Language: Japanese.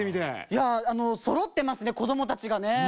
いやあのそろってますね子どもたちがね。